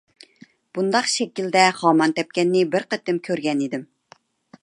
بۇنداق شەكىلدە خامان تەپكەننى بىر قېتىم كۆرگەن ئىدىم.